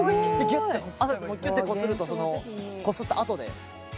ギュッてこするとこすった跡で。